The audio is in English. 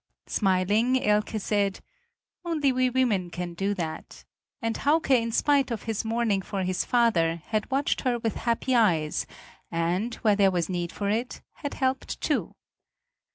Smiling, Elke said: "Only we women can do that," and Hauke in spite of his mourning for his father, had watched her with happy eyes, and, where there was need for it, had helped too.